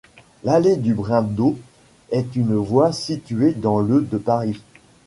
L'allée du Brindeau est une voie située dans le de Paris.